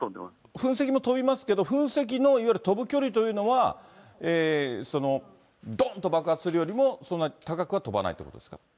噴石も飛びますけれども、噴石のいわゆる飛ぶ距離というのは、どんと爆発するよりも、そんなに高くは飛ばないということですか